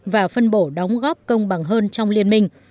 và phân bổ đóng góp công bằng hơn trong liên minh